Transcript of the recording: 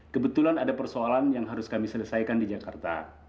kebetulan ada persoalan yang harus kami selesaikan di jakarta